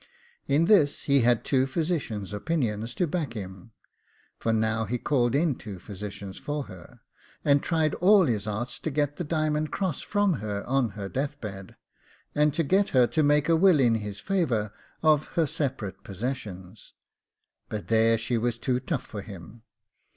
In this he had two physicians' opinions to back him (for now he called in two physicians for her), and tried all his arts to get the diamond cross from her on her death bed, and to get her to make a will in his favour of her separate possessions; but there she was too tough for him.